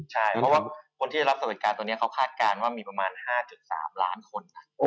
ใช่เพราะว่าคนที่ได้รับสวัสดิการตัวนี้เขาคาดการณ์ว่ามีประมาณ๕๓ล้านคน